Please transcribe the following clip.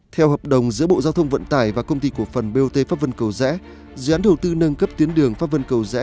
theo hợp đồng giữa bộ giao thông vận tải và công ty cổ phần bot pháp vân cầu rẽ dự án đầu tư nâng cấp tuyến đường pháp vân cầu rẽ